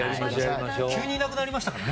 急にいなくなりましたからね。